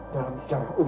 dari masjidil haram